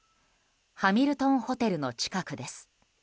ハミルトンホテルの近くです。